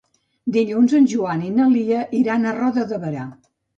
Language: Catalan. Dilluns en Joan i na Lia iran a Roda de Berà.